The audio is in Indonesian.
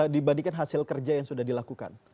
dibandingkan hasil kerja yang sudah dilakukan